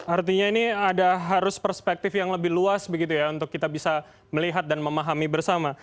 artinya ini ada harus perspektif yang lebih luas begitu ya untuk kita bisa melihat dan memahami bersama